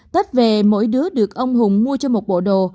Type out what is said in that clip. tết về mỗi đứa được ông hùng mua cho một bộ đồ